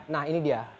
nah ini dia